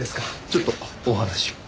ちょっとお話を。